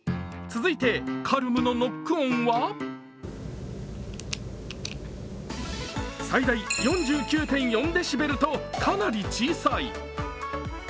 続いて、Ｃａｌｍｅのノック音は最大４９．４デシベルとかなり小さい。